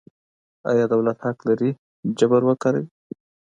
آیا دولت حق لري جبر وکاروي؟